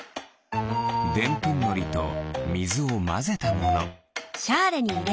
でんぷんのりとみずをまぜたもの。